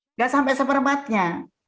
nggak sampai seperempatnya